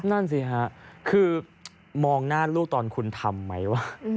นั่นสิฮะคือมองหน้าลูกตอนคุณทำไหมวะ